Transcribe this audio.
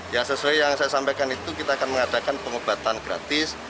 ya sesuai yang saya sampaikan itu kita akan mengadakan pengobatan gratis